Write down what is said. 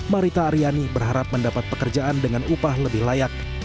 marita aryani berharap mendapat pekerjaan dengan upah lebih layak